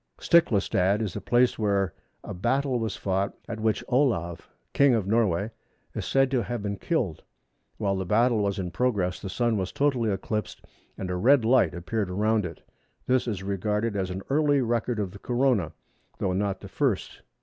Stiklastad is a place where a battle was fought, at which Olav, King of Norway, is said to have been killed. While the battle was in progress the Sun was totally eclipsed, and a red light appeared around it. This is regarded as an early record of the Corona, though not the first.